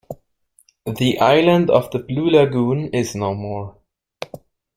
The island of the Blue Lagoon is no more.